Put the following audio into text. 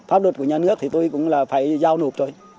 pháp luật của nhà nước thì tôi cũng là phải giao nộp thôi